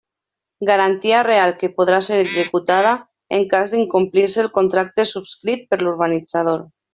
Garantia real que podrà ser executada en cas d'incomplir-se el contracte subscrit per l'urbanitzador.